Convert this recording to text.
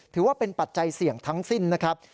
ถือว่าเป็นปัจจัยเสี่ยงทั้งสิ้นนะครับ